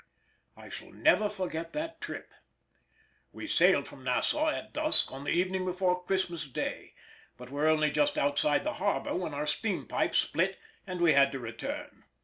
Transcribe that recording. I shall never forget that trip. We sailed from Nassau at dusk on the evening before Christmas day, but were only just outside the harbour when our steam pipe split and we had to return.